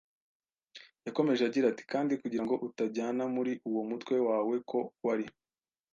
Yakomeje agira ati: “Kandi kugira ngo utajyana muri uwo mutwe wawe, ko wari